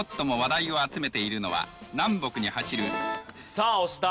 さあ押した。